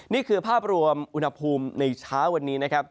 นี่คือภาพรวมอุณหภูมิในเช้าวันนี้นะครับ